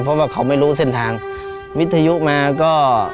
เพราะว่าเขาไม่รู้เส้นทางวิทยุมาก็